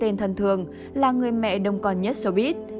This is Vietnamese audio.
người tên thân thường là người mẹ đông còn nhất showbiz